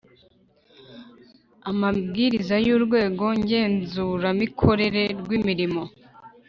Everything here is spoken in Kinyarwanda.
Amabwiriza yUrwego Ngenzuramikorere rw imirimo